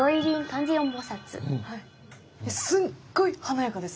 すっごい華やかですね。